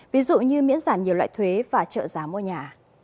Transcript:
ví dụ như miễn giảm nhiều loại thuế và trợ giá mua nhà